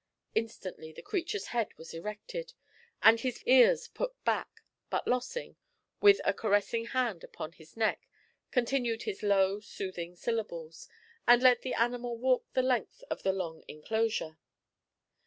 Instantly the creature's head was erected, and his ears put back, but Lossing, with a caressing hand upon his neck, continued his low, soothing syllables, and let the animal walk the length of the long inclosure.